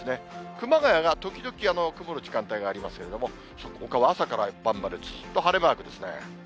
熊谷が時々、曇る時間帯がありますけれども、ほかは朝から晩までずっと晴れマークなんですね。